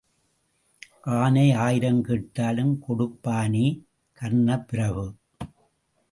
ஆனை ஆயிரம் கேட்டாலும் கொடுப்பானே கர்ணப்பிரபு.